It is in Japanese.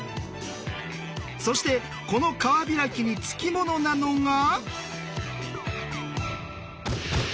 そしてこの川開きに付き物なのが。